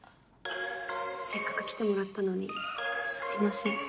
せっかく来てもらったのにすいません。